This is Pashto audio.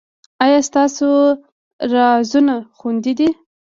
ایا ستاسو رازونه خوندي دي؟